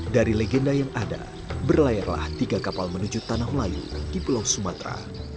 dari legenda yang ada berlayarlah tiga kapal menuju tanah melayu di pulau sumatera